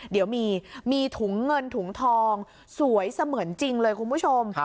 เดี๋ยวมีถุงเงินถุงทองสวยเสมือนจริงเลยคุณผู้ชม